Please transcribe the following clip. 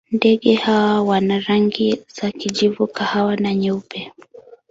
Ndege hawa wana rangi za kijivu, kahawa na nyeupe.